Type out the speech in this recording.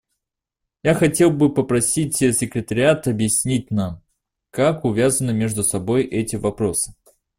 Я хотел бы попросить Секретариат объяснить нам, как увязаны между собой эти вопросы.